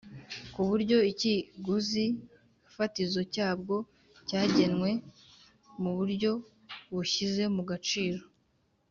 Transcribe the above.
ku buryo ikiguzi fatizo cyabwo cyagenwe mu buryo bushyize mu gaciro,